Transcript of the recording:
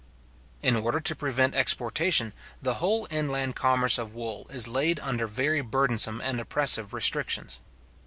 In order to prevent exportation, the whole inland commerce of wool is laid under very burdensome and oppressive restrictions.